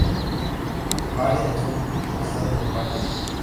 Mary en el sur del estado de Maryland.